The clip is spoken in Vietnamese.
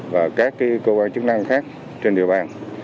và các cơ quan chức năng khác trên địa bàn